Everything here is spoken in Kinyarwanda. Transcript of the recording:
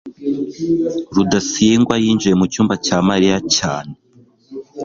rudasingwa yinjiye mu cyumba cya mariya cyane